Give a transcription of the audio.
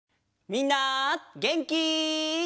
みんなげんき？